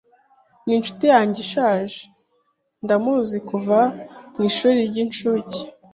Ni inshuti yanjye ishaje. Ndamuzi kuva mu ishuri ry'incuke.